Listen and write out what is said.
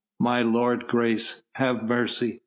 "My lord's grace, have mercy!